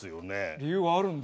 理由があるんだ？